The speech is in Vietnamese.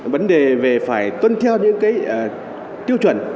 vấn đề về phải tuân theo những cái tiêu chuẩn